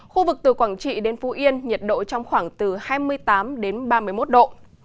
khu vực từ quảng trị đến phú yên nhiệt độ trong khoảng từ hai mươi tám đến ba mươi một độ